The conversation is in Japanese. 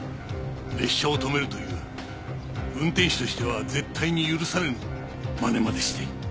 列車を止めるという運転士としては絶対に許されぬまねまでして。